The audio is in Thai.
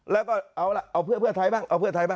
แล้วก็เอาเพื่อไทยบ้าง